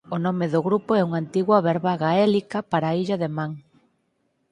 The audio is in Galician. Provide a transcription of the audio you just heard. O nome do grupo é unha antiga verba gaélica para a Illa de Man.